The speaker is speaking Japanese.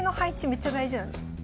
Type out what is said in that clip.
めっちゃ大事なんですよ。